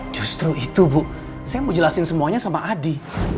justru itu bu saya mau jelasin semuanya sama adi